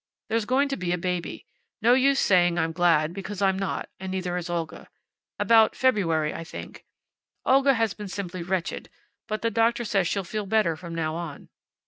"There's going to be a baby. No use saying I'm glad, because I'm not, and neither is Olga. About February, I think. Olga has been simply wretched, but the doctor says she'll feel better from now on.